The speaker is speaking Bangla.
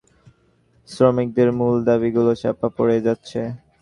বহুমুখী দেশি-বিদেশি তৎপরতা-অপতৎপরতার নিচে রানা প্লাজার শ্রমিকদের মূল দাবিগুলো চাপা পড়ে যাচ্ছে।